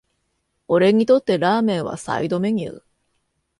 俺にとってラーメンはサイドメニュー